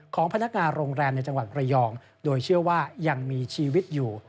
พนักงานโรงแรมในจังหวัดระยองโดยเชื่อว่ายังมีชีวิตอยู่